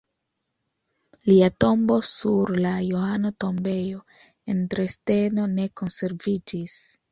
Lia tombo sur la Johano-Tombejo en Dresdeno ne konserviĝis.